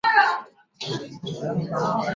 游戏的分级标志会加在包装外面和网站中。